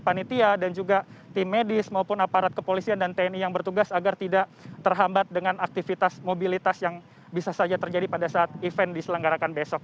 panitia dan juga tim medis maupun aparat kepolisian dan tni yang bertugas agar tidak terhambat dengan aktivitas mobilitas yang bisa saja terjadi pada saat event diselenggarakan besok